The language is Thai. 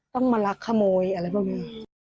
ต้องมารักขโมยอะไรประมาณนี้